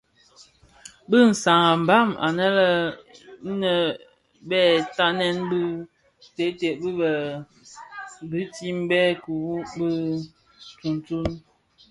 Bi sans an a mbam anèn innë bè tatnèn bi teted bi bitimbè ikoo wu tsuňtsuň.